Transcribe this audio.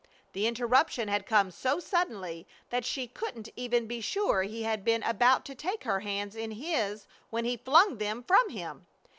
The interruption had come so suddenly that she couldn't even be sure he had been about to take her hands in his when he flung them from him.